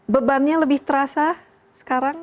bebannya lebih terasa sekarang